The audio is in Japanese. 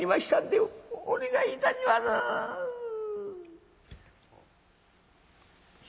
お願いいたします」。